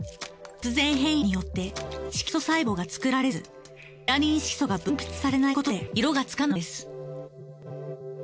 突然変異によって色素細胞が作られずメラニン色素が分泌されないことで色がつかないのです。